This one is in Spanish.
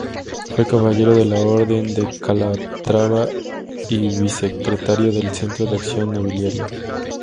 Fue caballero de la Orden de Calatrava, y vicesecretario del Centro de Acción Nobiliaria.